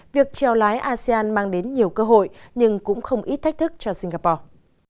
việc treo lái asean mang đến nhiều cơ hội nhưng cũng không ít thách thức cho singapore